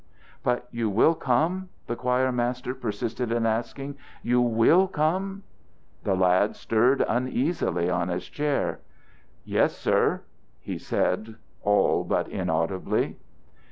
"But you will come?" the choir master persisted in asking. "You will come?" The lad stirred uneasily on his chair. "Yes, sir," he said all but inaudibly.